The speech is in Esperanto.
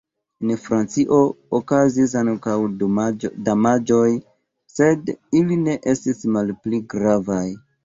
En Francio okazis ankaŭ damaĝoj, sed ili estis malpli gravaj.